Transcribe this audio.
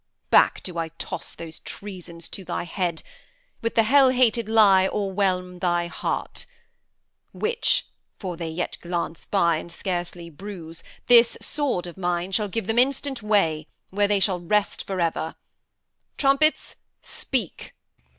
Back do I toss those treasons to thy head; With the hell hated lie o'erwhelm thy heart; Which for they yet glance by and scarcely bruise This sword of mine shall give them instant way Where they shall rest for ever. Trumpets, speak!